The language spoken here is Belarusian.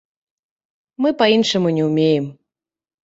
Мы па-іншаму не ўмеем!